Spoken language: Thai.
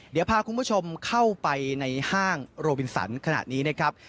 เดี๋ยวพาคุณผู้ชมเข้าไปในห้างโรบินสันขณะนี้นะครับ